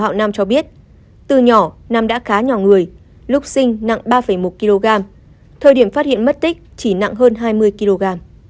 họ nam cho biết từ nhỏ nam đã khá nhỏ người lúc sinh nặng ba một kg thời điểm phát hiện mất tích chỉ nặng hơn hai mươi kg